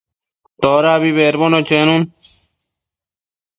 Todabi bedbono chenun